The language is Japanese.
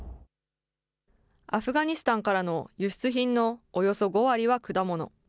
アフガニスタンからの輸出品のおよそ５割は果物。